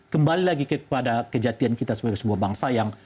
kembali lagi kepada kejatian kita sebagai sebuah bangsa yang